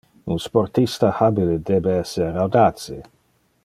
Un sportista habile debe esser audace.